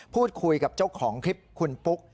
พูดคุยกับเจ้าของคลิปคุณปุ๊ก